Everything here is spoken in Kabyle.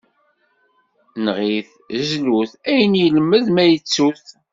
Neɣ-it, zlu-t, ayen ilmed, ma ittu-t.